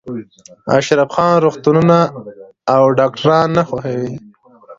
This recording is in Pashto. اشرف خان روغتونونه او ډاکټران نه خوښوي